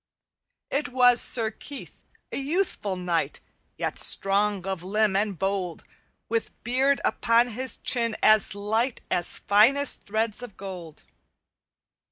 "It was Sir Keith, a youthful knight, Yet strong of limb and bold, With beard upon his chin as light As finest threads of gold.